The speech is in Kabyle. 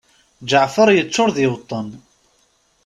Ǧeɛfer yeččur d iweṭṭen.